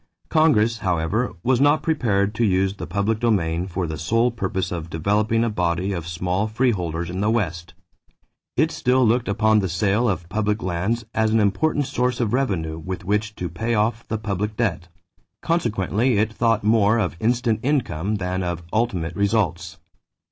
Congress, however, was not prepared to use the public domain for the sole purpose of developing a body of small freeholders in the West. It still looked upon the sale of public lands as an important source of revenue with which to pay off the public debt; consequently it thought more of instant income than of ultimate results.